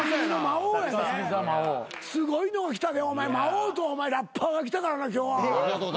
すごいの来たで魔王とラッパーが来たからな今日は。